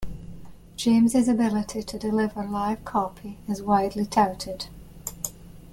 James' ability to deliver live copy is widely touted.